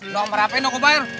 nomor hp gak kupayar